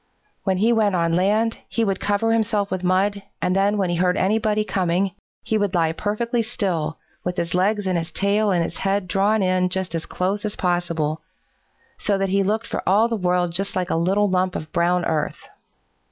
When he went on land, he would cover himself with mud, and then when he heard anybody coming, he would lie perfectly still, with his legs and his tail and his head drawn in just as close as possible, so that he looked for all the world like just a little lump of brown earth.